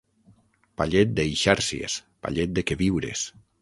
Pallet d'eixàrcies, pallet de queviures.